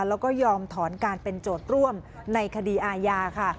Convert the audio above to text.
แล้วก็ยอมถอนการเป็นโจทย์ร่วมในคดีอาญาค่ะ